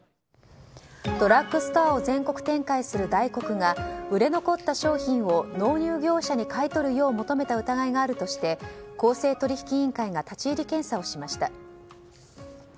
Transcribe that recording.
ドラッグストアを全国展開するダイコクが、売れ残った商品を納入業者に買い取るよう求めた疑いがあるとして公正取引委員会が立ち入り検査をしました。